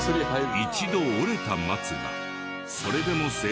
一度折れた松がそれでも成長を続け